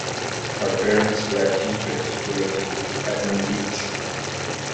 Her parents were teachers related to Edmund Leach.